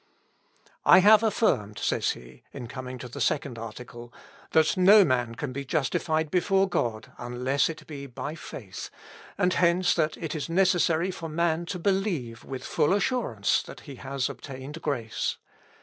"I have affirmed," says he, in coming to the second article, "that no man can be justified before God unless it be by faith, and hence that it is necessary for man to believe with full assurance that he has obtained grace.